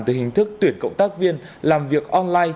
từ hình thức tuyển cộng tác viên làm việc online